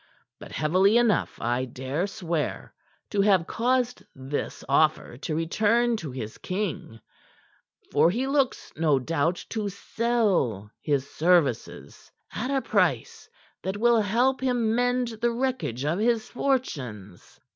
But heavily enough, I dare swear, to have caused this offer to return to his king; for he looks, no doubt, to sell his services at a price that will help him mend the wreckage of his fortunes.